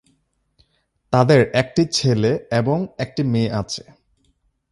তাদের একটি ছেলে এবং একটি মেয়ে আছে।